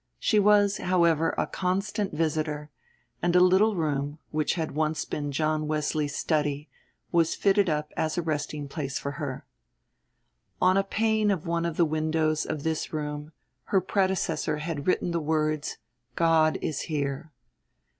She was, however, a constant visitor, and a little room, which had once been John Wesley's study, was fitted up as a resting place for her. On a pane of one of the windows of this room her predecessor had written the words, "God is here."